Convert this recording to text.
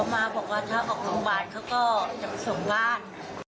มาบอกว่าถ้าออกโรงพยาบาลเขาก็จะไปส่งบ้าน